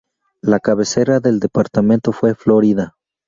La cabecera del departamento fue Florida.